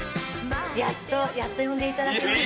やっと呼んでいただきました。